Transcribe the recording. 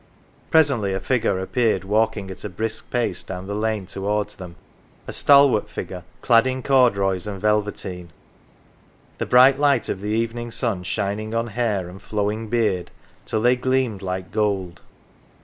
Presently a figure appeared walking at a brisk pace down the lane towards them. A stalwart figure clad in corduroys and velveteen ; the bright light of the evening sun shining on hair and flowing beard till they gleamed like gold.